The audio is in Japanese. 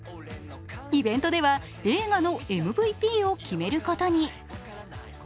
イベントでは映画のＭＶＰを決めることに。